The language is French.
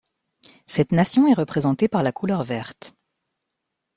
Cette nation est représentée par la couleur verte.